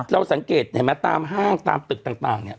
เราสังเกตเห็นมั้ยตามห้างตามตึกต่างต่างเนี้ย